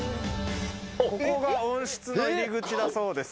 ここが温室の入り口だそうです。